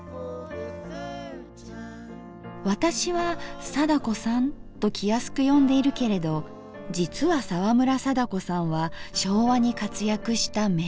私は「貞子さん」と気安く呼んでいるけれど実は沢村貞子さんは昭和に活躍した名女優だ。